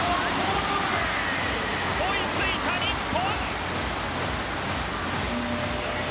追い付いた日本。